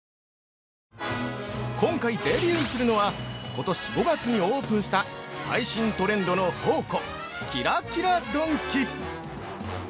◆今回デビューするのはことし５月にオープンした最新トレンドの宝庫キラキラドンキ。